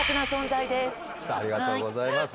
ありがとうございます。